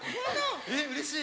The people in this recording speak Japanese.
えっうれしい。